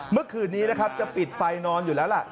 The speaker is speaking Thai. เมื่อคืนนี้นะครับจะปิดไฟนอนอยู่แล้วล่ะ